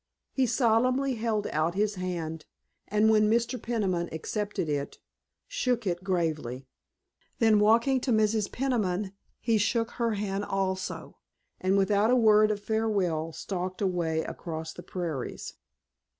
He solemnly held out his hand, and when Mr. Peniman accepted it shook it gravely. Then walking to Mrs. Peniman he shook her hand also, and without a word of farewell stalked away across the prairies.